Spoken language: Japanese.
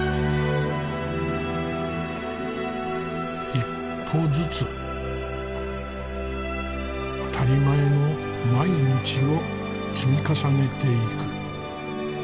一歩ずつ当たり前の毎日を積み重ねていく。